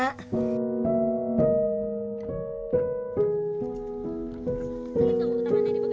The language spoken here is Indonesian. terima kasih mbak